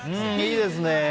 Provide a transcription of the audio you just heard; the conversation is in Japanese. いいですね。